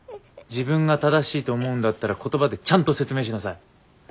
自分が正しいと思うんだったら言葉でちゃんと説明しなさい。